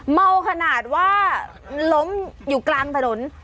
เมาขนาดว่าล้มอยู่กลางถนน